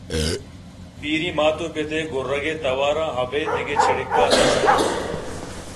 پیریں ماتءُپت ءِ گُرّگ ءِ تواراں ابید دگہ چڑّکہ نیست اَت